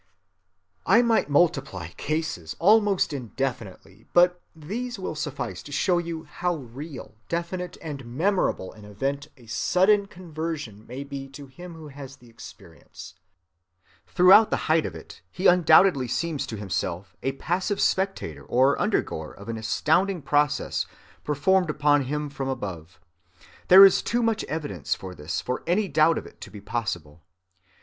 I might multiply cases almost indefinitely, but these will suffice to show you how real, definite, and memorable an event a sudden conversion may be to him who has the experience. Throughout the height of it he undoubtedly seems to himself a passive spectator or undergoer of an astounding process performed upon him from above. There is too much evidence of this for any doubt of it to be possible.